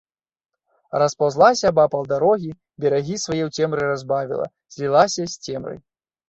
Распаўзлася абапал дарогі, берагі свае ў цемры разбавіла, злілася з цемрай.